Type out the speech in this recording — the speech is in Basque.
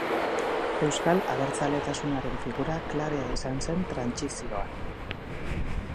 Euskal abertzaletasunaren figura klabea izan zen trantsizioan.